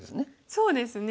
そうですね。